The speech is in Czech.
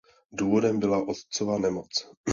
Důvodem byla otcova nemoc.